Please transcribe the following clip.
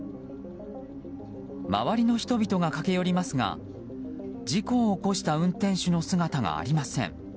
周りの人々が駆け寄りますが事故を起こした運転手の姿がありません。